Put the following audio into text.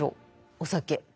お酒。